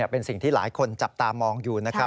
เป็นสิ่งที่หลายคนจับตามองอยู่นะครับ